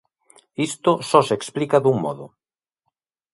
Isto só se explica dun modo.